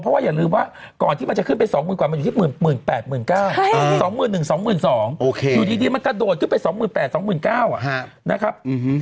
เพราะว่าอย่าลืมว่าก่อนที่มันจะขึ้นไป๒๐๐๐กว่ามันอยู่ที่๑๘๙๐๐๒๑๒๒๐๐อยู่ดีมันกระโดดขึ้นไป๒๘๐๐๒๙๐๐นะครับ